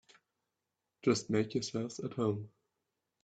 Just make yourselves at home.